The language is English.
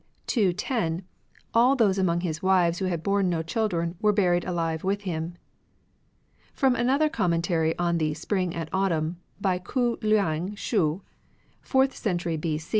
210, all those among his wives who had borne no children were buried alive with him. From another Commentary on the fo?%ifii. Spring and Autumn, by Ku Uang Shu, fourth century B.